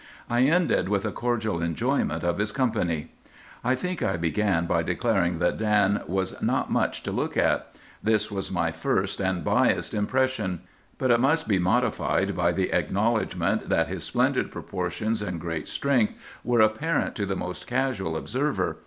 I ended with a cordial enjoyment of his company. "I think I began by declaring that Dan was not much to look at. This was my first and biassed impression. But it must be modified by the acknowledgment that his splendid proportions and great strength were apparent to the most casual observer.